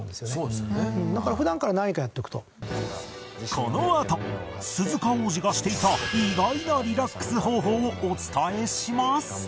このあと鈴鹿央士がしていた意外なリラックス方法をお伝えします